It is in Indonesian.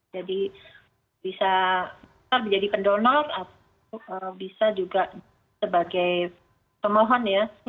jadi bisa menjadi pendonor atau bisa juga sebagai pemohon ya